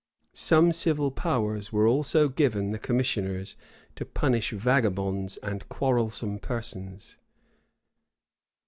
[*] Some civil powers were also given the commissioners to punish vagabonds and quarrelsome persons.